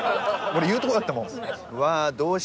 俺言うとこだったもん。